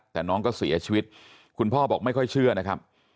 แต่น้องก็เสียชีวิตคุณพ่อบอกไม่ค่อยเชื่อนะครับ